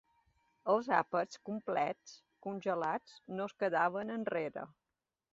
Els àpats complets congelats no es quedaven enrere.